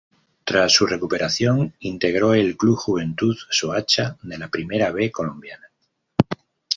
Tras su recuperación, integró el club Juventud Soacha de la Primera B colombiana.